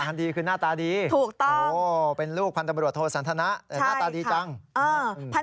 งานดีคือหน้าตาดีโอ้โฮเป็นลูกพันธบริโธสันธนะหน้าตาดีจังถูกต้อง